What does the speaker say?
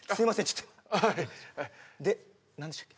ちょっとはいで何でしたっけ